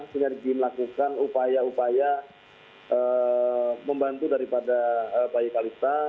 sinergi melakukan upaya upaya membantu daripada pak ibu kalista